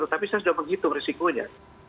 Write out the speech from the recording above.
tapi saya sudah menghitung risikonya